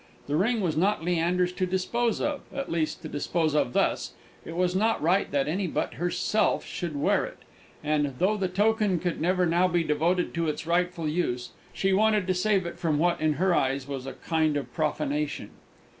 The ring was not Leander's to dispose of at least, to dispose of thus; it was not right that any but herself should wear it; and, though the token could never now be devoted to its rightful use, she wanted to save it from what, in her eyes, was a kind of profanation.